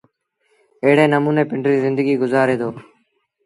ايڙي نموٚني پنڊريٚ زندگيٚ گزآري دو۔